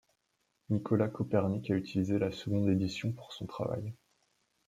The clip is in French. Nicolas Copernic a utilisé la seconde édition pour son travail.